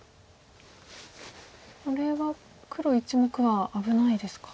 これは黒１目は危ないですか。